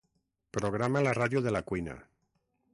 Programa la ràdio de la cuina.